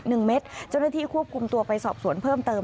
เจ้าหน้าที่ควบคุมตัวไปสอบสวนเพิ่มเติม